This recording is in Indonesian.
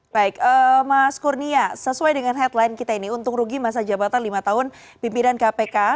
baik mas kurnia sesuai dengan headline kita ini untung rugi masa jabatan lima tahun pimpinan kpk